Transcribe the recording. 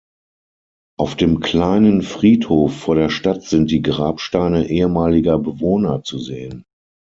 Auf dem kleinen Friedhof vor der Stadt sind die Grabsteine ehemaliger Bewohner zu sehen.